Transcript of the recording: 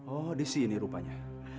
oh di sini rupanya